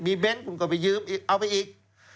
มีเบ้นคุณก็ไปยืมเอาไปอีก